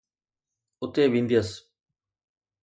اتي وينديس.